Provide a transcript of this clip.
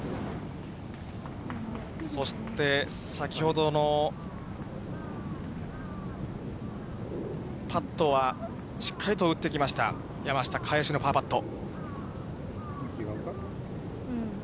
そして、先ほどのパットは、しっかりと打ってきました、山下、返しのパーパット。